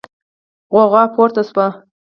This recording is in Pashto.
غوغا پورته شوه.